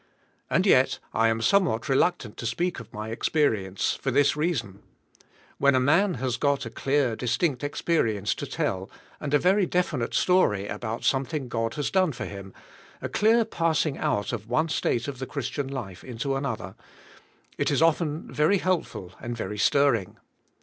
And yet, I am somewhat reluctant to speak of my experience, for this reason: When a man has got a clear, dis tinct experience to tell and a very definite story about something God has done for him, a clear pass ing out of one state of the Christian life into an other, it is often very helpful and very stirring".